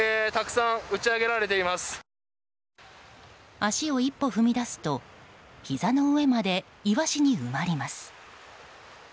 足を一歩踏み出すとひざの上までイワシに埋まります。